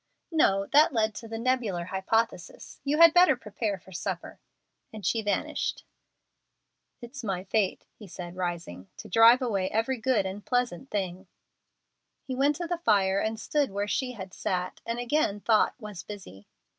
"No, that led to the 'Nebular Hypothesis.' You had better prepare for supper;" and she vanished. "It's my fate," he said, rising, "to drive away every good and pleasant thing." He went to the fire and stood where she had sat, and again thought was busy.